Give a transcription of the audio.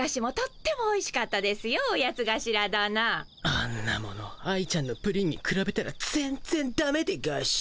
あんなもの愛ちゃんのプリンにくらべたら全ぜんダメでガシ。